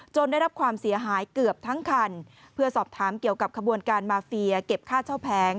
ได้รับความเสียหายเกือบทั้งคันเพื่อสอบถามเกี่ยวกับขบวนการมาเฟียเก็บค่าเช่าแผง